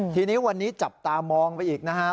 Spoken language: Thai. ทีนี้วันนี้จับตามองไปอีกนะครับ